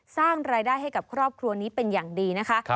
สร้างรายได้ให้กับครอบครัวนี้เป็นอย่างดีนะคะ